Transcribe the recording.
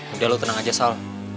udah lo tenang aja sal